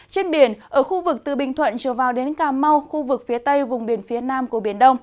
trên biển ở khu vực từ bình thuận trở vào đến cà mau khu vực phía tây vùng biển phía nam của biển đông